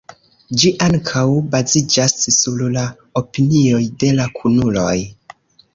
Ĝi ankaŭ baziĝas sur la opinioj de la kunuloj.